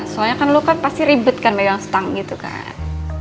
soalnya kan lo pasti ribet kan megang stang gitu kan